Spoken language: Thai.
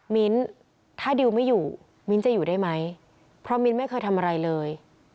มิ้นถ้าดิวไม่อยู่มิ้นท์จะอยู่ได้ไหมเพราะมิ้นไม่เคยทำอะไรเลย